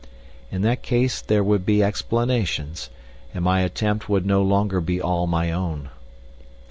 In that case there would be explanations, and my attempt would no longer be all my own.